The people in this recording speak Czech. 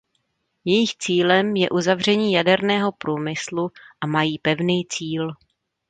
Jejich cílem je uzavření jaderného průmyslu a mají pevný cíl.